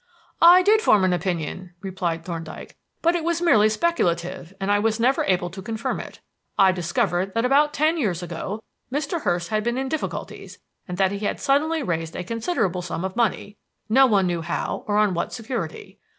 "I did form an opinion," replied Thorndyke, "but it was merely speculative, and I was never able to confirm it. I discovered that about ten years ago Mr. Hurst had been in difficulties and that he had suddenly raised a considerable sum of money, no one knew how or on what security.